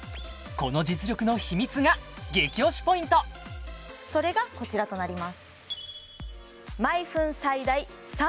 この実力の秘密が激推しポイントそれがこちらとなります